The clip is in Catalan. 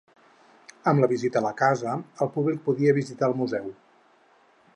Amb la visita a la casa, el públic podia visitar el Museu.